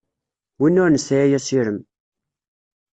Win ur nesɛi asirem.